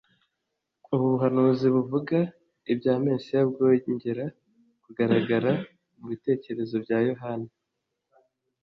Ubu buhanuzi buvuga ibya Mesiya bwongera kugaragara mu bitekerezo bya Yohana